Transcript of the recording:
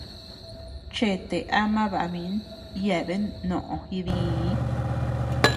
Chete ama baʼa min yeabean noʼò jidii.